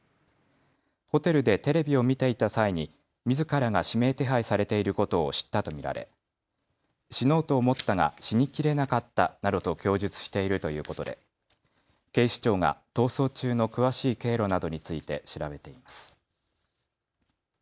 ホテルでテレビを見ていた際にみずからが指名手配されていることを知ったと見られ、死のうと思ったが死にきれなかったなどと供述しているということで、警視庁が逃走中の詳しい経路などについて調べています。